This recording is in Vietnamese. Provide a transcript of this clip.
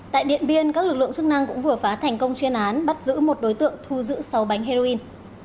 tại điện biên các lực lượng chức năng cũng vừa phá thành công chuyên án bắt giữ một đối tượng thu giữ sáu bánh heroin